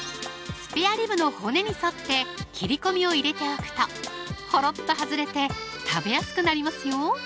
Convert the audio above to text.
スペアリブの骨に沿って切り込みを入れておくとほろっと外れて食べやすくなりますよ